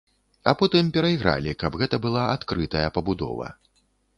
А потым перайгралі, каб гэта была адкрытая пабудова.